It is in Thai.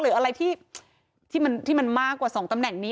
หรืออะไรที่มันมากกว่า๒ตำแหน่งนี้